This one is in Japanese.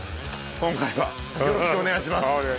今回はよろしくお願いします。